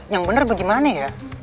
yang bener bagaimana ya